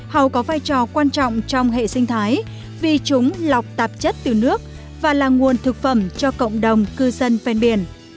hầu có vai trò quan trọng trong hệ sinh thái vì chúng lọc tạp chất từ nước và là nguồn thực phẩm cho cộng đồng cư dân ven biển